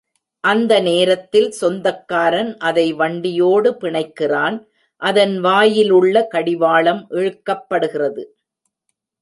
அந்த நேரத்தில் சொந்தக்காரன் அதை வண்டியோடு பிணைக்கிறான் அதன் வாயிலுள்ள கடிவாளம் இழுக்கப்படுகிறது.